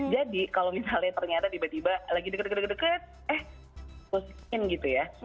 jadi kalau misalnya ternyata tiba tiba lagi deket deket eh ghostingin gitu ya